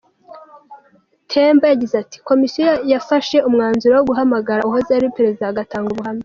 Temba yagize ati “Komisiyo yafashe umwanzuro wo guhamagara uwahoze ari perezida agatanga ubuhamya.